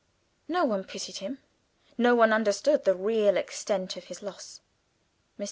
No one pitied him; no one understood the real extent of his loss. Mr.